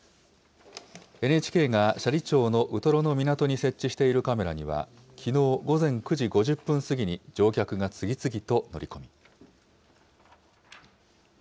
ＮＨＫが斜里町のウトロの港に設置しているカメラには、きのう午前９時５０分過ぎに、乗客が次々と乗り込み。